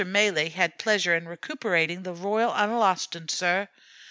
Malee had pleasure in recuperating the Royal Analostan, sah."